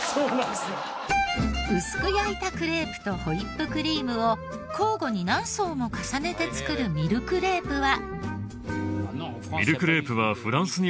薄く焼いたクレープとホイップクリームを交互に何層も重ねて作るミルクレープは。